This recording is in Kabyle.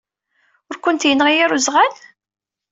Ur kent-yenɣi ara uẓɣal?